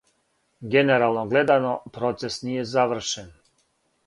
Генерално гледано процес није завршен.